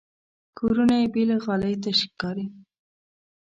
کورونه بې له غالۍ تش ښکاري.